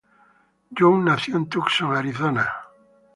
Young nació en Tucson, Arizona.